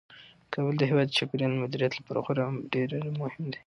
کابل د هیواد د چاپیریال د مدیریت لپاره خورا ډیر مهم دی.